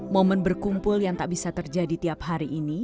momen berkumpul yang tak bisa terjadi tiap hari ini